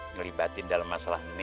ngelibatin dalam masalah ini